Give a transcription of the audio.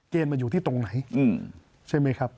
มาอยู่ที่ตรงไหนใช่ไหมครับ